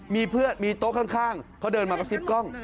มีเพื่อนมีโต๊ะข้างเขาเดินมากระซิบกล้อง